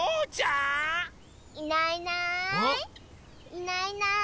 いないいない。